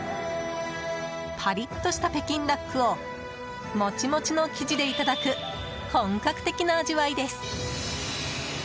パリッとした北京ダックをもちもちの生地でいただく本格的な味わいです。